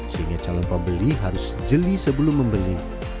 sehingga calon pembeli harus jeli sebelum membeli